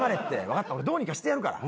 分かった俺どうにかしてやるから。